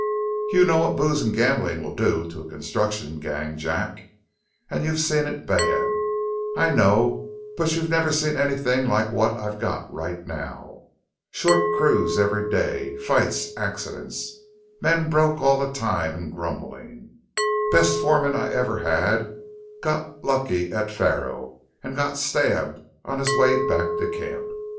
"You know what booze and gambling will do to a construction gang, Jack. And you've seen it bad, I know, but you've never seen anything like what I've got right now. Short crews every day: fights, accidents. Men broke all the time and grumbling. Best foreman I ever had got lucky at faro and got stabbed on his way back to camp.